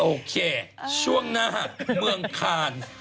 โอเคช่วงหน้าเมืองคาน